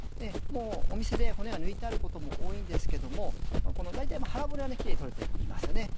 もう店で骨が抜いてあることも多いんですけども大体腹骨はキレイに取れていますよね。